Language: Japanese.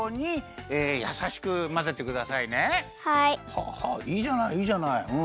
はあはあいいじゃないいいじゃないうん。